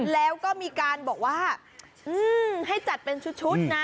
แล้วก็มีการบอกว่าให้จัดเป็นชุดนะ